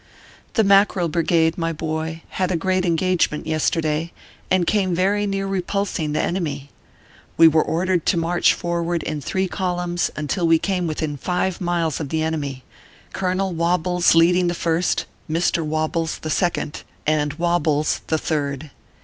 The Mackerel Brigade, my boy, had a great engage ment yesterday, and came very near repulsing the enemy. We were ordered to march forward in three columns, until we came within five miles of the enemy, Colonel Wobbles leading the first ; Mr. Wobbles, the second ; and Wobbles, the third.